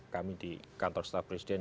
kami di kantor staf presiden